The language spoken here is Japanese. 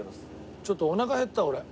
ちょっとおなか減った俺。